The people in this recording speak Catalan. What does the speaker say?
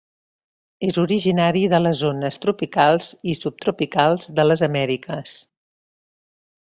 És originari de les zones tropicals i subtropicals de les Amèriques.